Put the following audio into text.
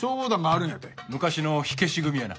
昔の火消し組やな。